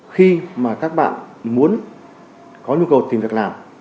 khi mà các bạn muốn có nhu cầu tìm việc làm